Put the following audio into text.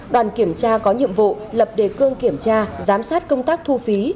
đoàn kiểm tra có nhiệm vụ lập đề cương kiểm tra giám sát công tác thu phí